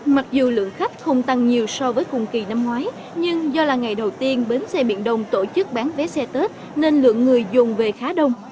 mặc dù lượng khách không tăng nhiều so với cùng kỳ năm ngoái nhưng do là ngày đầu tiên bến xe miền đông tổ chức bán vé xe tết nên lượng người dùng về khá đông